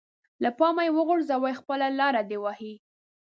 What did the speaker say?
له پامه يې وغورځوي خپله لاره دې وهي.